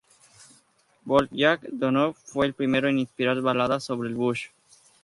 Bold Jack Donohue fue el primero en inspirar baladas sobre el "bush".